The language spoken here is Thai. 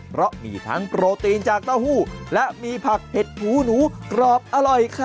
เพราะมีทั้งโปรตีนจากเต้าหู้และมีผักเห็ดหูหนูกรอบอร่อยค่ะ